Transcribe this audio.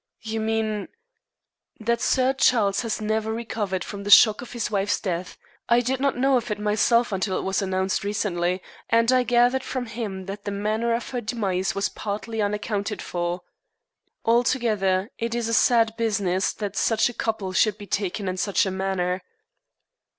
"You mean " "That Sir Charles has never recovered from the shock of his wife's death. I did not know of it myself until it was announced recently, and I gathered from him that the manner of her demise was partly unaccounted for. Altogether, it is a sad business that such a couple should be taken in such a manner."